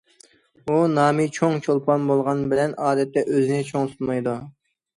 ئۇ نامى چوڭ چولپان بولغان بىلەن ئادەتتە ئۆزىنى چوڭ تۇتمايدۇ.